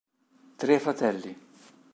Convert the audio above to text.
Tre fratelli